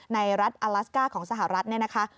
ในรัฐอลาสก้าของสหรัฐเนี่ยนะคะ